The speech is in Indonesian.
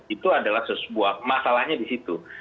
itu adalah sebuah masalahnya di situ